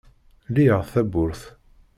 Lli-aɣ tawwurt.